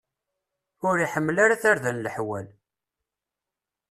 Ur iḥemmel ara tarda n leḥwal.